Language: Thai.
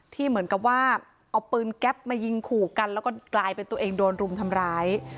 เหมือนกับว่าเอาปืนแก๊ปมายิงขู่กันแล้วก็กลายเป็นตัวเองโดนรุมทำร้าย